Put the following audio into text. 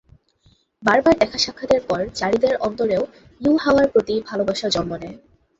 বারবার দেখা-সাক্ষাতের পর যারীদের অন্তরেও ইউহাওয়ার প্রতি ভালবাসা জন্ম নেয়।